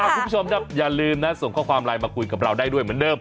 คุณผู้ชมครับอย่าลืมนะส่งข้อความไลน์มาคุยกับเราได้ด้วยเหมือนเดิม